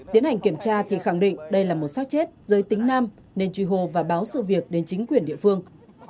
tiến hành kiểm tra thì khẳng định đây là một xác chết dưới tính nam nên truy hồ và báo sự việc đến chính quyền địa phương